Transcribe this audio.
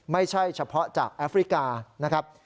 ไม่ใช่เฉพาะจากแอฟริกานะครับ